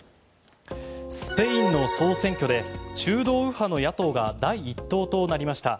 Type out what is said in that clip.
スペインの総選挙で中道右派の野党が第１党となりました。